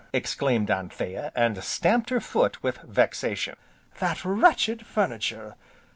exclaimed Anthea, and stamped her foot with vexation. "That wretched furniture!